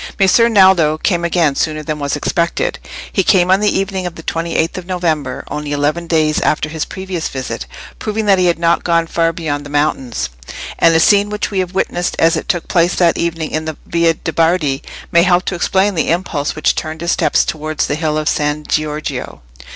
Messer Naldo came again sooner than was expected: he came on the evening of the twenty eighth of November, only eleven days after his previous visit, proving that he had not gone far beyond the mountains; and a scene which we have witnessed as it took place that evening in the Via de' Bardi may help to explain the impulse which turned his steps towards the hill of San Giorgio.